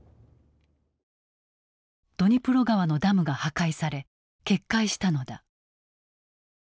ドニプロ川のダムが破壊され決壊したのだ。